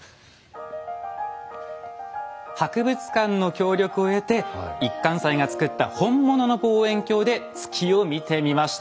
博物館の協力を得て一貫斎が作った本物の望遠鏡で月を見てみました。